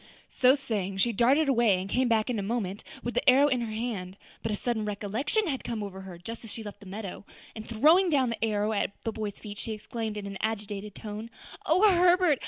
So saying, she darted away, and came back in a moment with the arrow in her hand. But a sudden recollection had come over her just as she left the meadow, and throwing down the arrow at the boy's feet, she exclaimed in an agitated tone, "O Herbert!